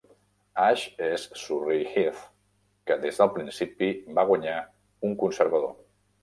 Ash és a Surrey Heath, que des del principi va guanyar un conservador.